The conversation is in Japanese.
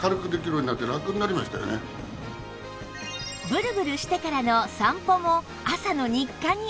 ブルブルしてからの散歩も朝の日課に